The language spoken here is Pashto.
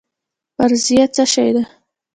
فرضیه څه شی دی؟